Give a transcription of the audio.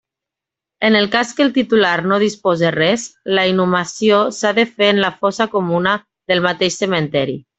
En el cas que el titular no dispose res, la inhumació s'ha de fer en la fossa comuna del mateix cementeri.